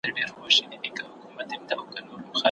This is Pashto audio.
د تمسخر کولو عادت بايد له ټولني ورک سي.